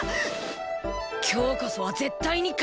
今日こそは絶対に勝つ！